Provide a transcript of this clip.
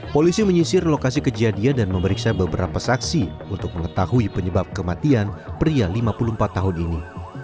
polisi menyisir lokasi kejadian dan memeriksa beberapa saksi untuk mengetahui penyebab kematian pria lima puluh empat tahun ini